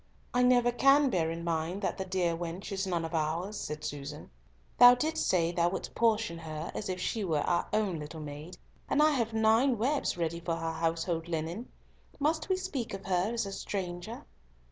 "I never can bear in mind that the dear wench is none of ours," said Susan. "Thou didst say thou wouldst portion her as if she were our own little maid, and I have nine webs ready for her household linen. Must we speak of her as a stranger?"